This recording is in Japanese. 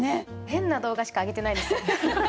変な動画しか上げてないです。